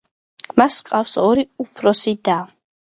მას ჰყავს ორი უფროსი და.